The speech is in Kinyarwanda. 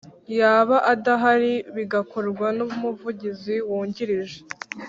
yaba adahari bigakorwa n Umuvugizi Wungirije